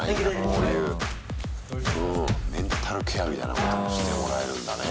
こういううんメンタルケアみたいなこともしてもらえるんだね。